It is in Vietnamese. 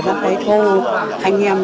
chuyển thành ở thôn người xã không hiểu gì